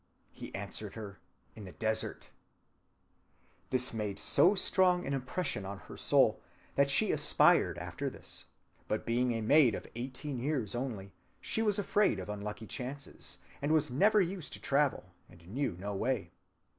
He answered her, In the desert. This made so strong an impression on her soul that she aspired after this; but being a maid of eighteen years only, she was afraid of unlucky chances, and was never used to travel, and knew no way.